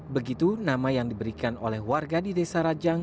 begitu nama yang diberikan oleh warga di desa rajang